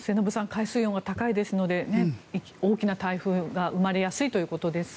海水温が高いですので大きな台風が生まれやすいということです。